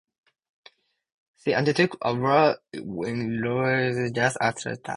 She undertook a world tour with Roy Ayers and the Jazz Allstars.